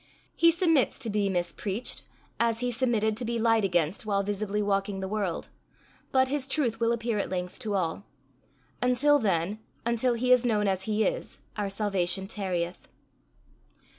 He submits to be mis preached, as he submitted to be lied against while visibly walking the world, but his truth will appear at length to all: until then, until he is known as he is, our salvation tarrieth.